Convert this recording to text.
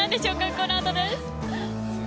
このあとです。